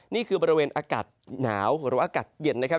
นี่คือบริเวณอากาศหนาวหรือว่าอากาศเย็นนะครับ